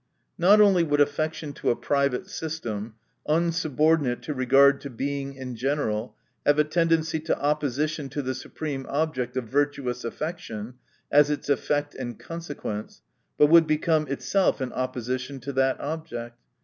Not only would affection to a private system, unsubordinate to regard to Being in general, have a tendency to opposition to the supreme object of vir tuous affection, as its effect and consequence, but would become itself an oppo sition to that object.